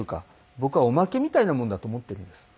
僕はおまけみたいなものだと思ってるんです。